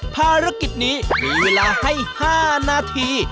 ภารกิจนี้มีเวลาให้๕นาที